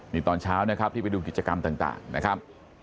นี่ตอนเช้านะครับที่ไปดูกิจกรรมต่างนะครับ